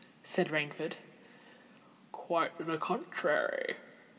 said Rainford. "Quite the contrary!"